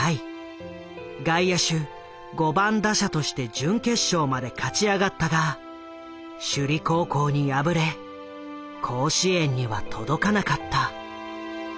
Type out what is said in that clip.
外野手５番打者として準決勝まで勝ち上がったが首里高校に敗れ甲子園には届かなかった。